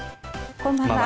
こんばんは。